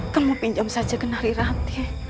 kamu pinjam saja ke nari rati